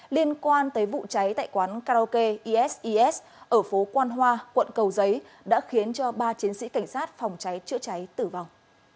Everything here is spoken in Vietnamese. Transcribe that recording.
liên quan tới vụ cháy tại quán karaoke eses ở phố quan hoa quận cầu giấy đã khiến cho ba chiến sĩ cảnh sát phòng cháy chữa cháy tử vong